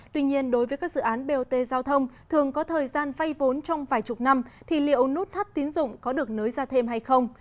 tuy nhiên đối với các dự án bot giao thông thường có thời gian vay vốn trong vài chục năm thì liệu nút thắt tiến dụng có được nới ra thêm hay không